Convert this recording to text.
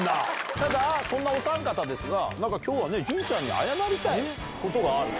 ただ、そんなお三方ですが、なんかきょうはね、潤ちゃんに謝りたいことがあると。